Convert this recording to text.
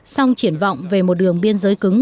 song triển vọng về một đường biên giới cứng